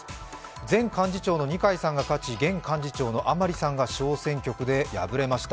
前幹事長の二階さんが勝ち、現幹事長の甘利さんが小選挙区で敗れました。